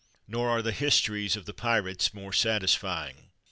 Nor are the histories of the pirates more satisfying.